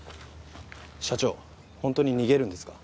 社長本当に逃げるんですか？